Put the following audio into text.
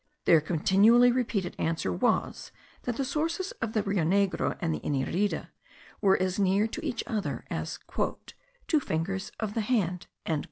Their continually repeated answer was, that the sources of the Rio Negro and the Inirida were as near to each other as "two fingers of the hand."